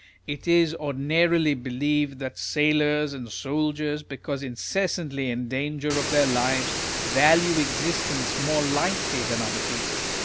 It is ordinarily believed that sailors and soldiers, because incessantly in danger of their lives, value existence more lightly than other people.